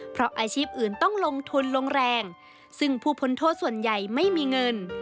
เพราะอาชีพอื่นต้องลงทุนลงแรงซึ่งผู้พ้นโทษส่วนใหญ่ไม่มีเงิน